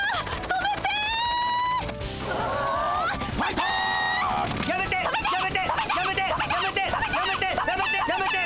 止めて！